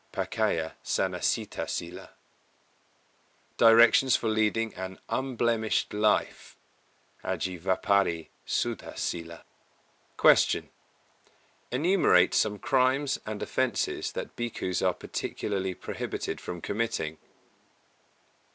(Paccaya Sannissita Sīla). Directions for leading an unblemished life (Ajivapari Suddha Sīla). 260. Q. _Enumerate some crimes and offences that Bhikkhus are particularly prohibited from committing?